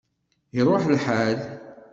Iruḥ lḥal